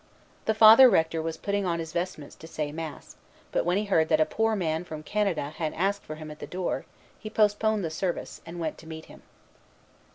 The Father Rector was putting on his vestments to say mass; but when he heard that a poor man from Canada had asked for him at the door, he postponed the service, and went to meet him.